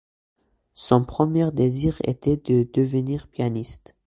Son premier désir était de devenir pianiste.